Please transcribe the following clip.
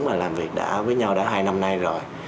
mà làm việc đã với nhau đã hai năm nay rồi